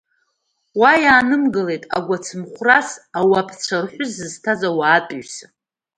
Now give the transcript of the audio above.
Уа иаанымгылт, агәы ацымхәрас аупцәарҳәы зызҭаз ауаатәыҩса.